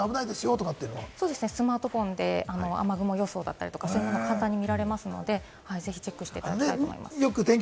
スマートフォンで雨雲予想だったりとか簡単に見られますので、ぜひチェックしていただきたいと思います。